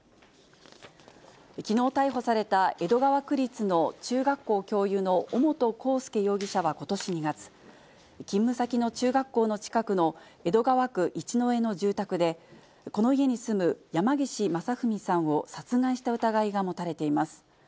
きのう逮捕された江戸川区立の中学校教諭の尾本幸祐容疑者はことし２月、勤務先の中学校の近くの江戸川区一之江の住宅で、この家に住む山岸正文さんを殺害した疑いが持たれています。